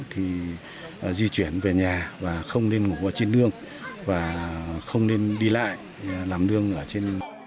thì di chuyển về nhà và không nên ngủ trên đường và không nên đi lại làm đường ở trên